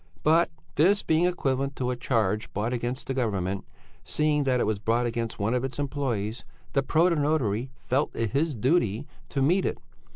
"But this being equivalent to a charge brought against the Government seeing that it was brought against one of its employés the protonotary felt it his duty to meet it.